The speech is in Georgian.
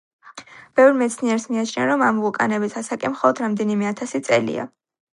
ბევრ მეცნიერს მიაჩნია, რომ ამ ვულკანების ასაკი მხოლოდ რამდენიმე ათასი წელია.